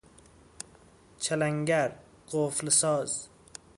چلنگر، قفل ساز